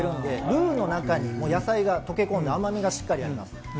ルウの中に野菜が溶け込んで甘みがしっかりあります。